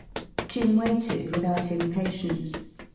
Jim waited without impatience.